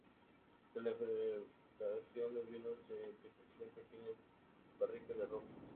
Tras la fermentación el vino se envejecimiento en pequeñas barricas de roble.